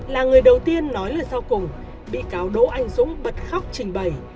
là người đầu tiên nói là sau cùng bị cáo đỗ anh dũng bật khóc trình bày